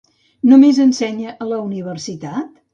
Només ensenya a la universitat?